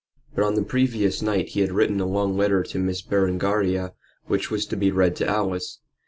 But on the previous night he had written a long letter to Miss Berengaria, which was to be read to Alice.